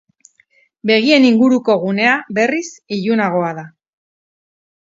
Begien inguruko gunea, berriz, ilunagoa da.